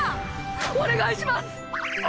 お願いします！